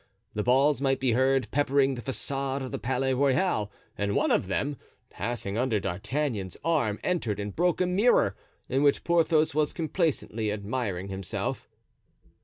The balls might be heard peppering the facade of the Palais Royal, and one of them, passing under D'Artagnan's arm, entered and broke a mirror, in which Porthos was complacently admiring himself.